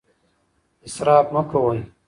اسراف مه کوئ.